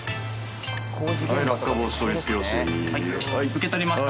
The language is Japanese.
受け取りました。